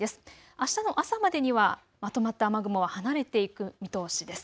あしたの朝までにはまとまった雨雲は離れていく見通しです。